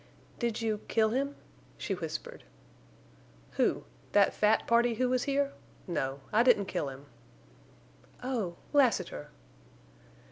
"Did—you—kill—him?" she whispered. "Who? That fat party who was here? No. I didn't kill him." "Oh!... Lassiter!"